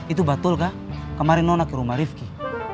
itu betul kak kemarin nona ke rumah rifki